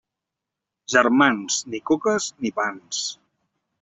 Germans, ni coques ni pans.